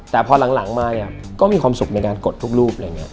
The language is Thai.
แต่พอหลังมาก็มีความสุขในการกดทุกรูป